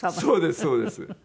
そうですそうです。